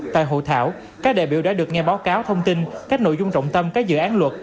tại hội thảo các đại biểu đã được nghe báo cáo thông tin các nội dung trọng tâm các dự án luật